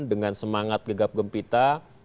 dengan semangat gegap gempita